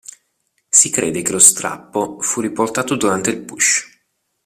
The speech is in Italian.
Si crede che lo strappo fu riportato durante il putsch.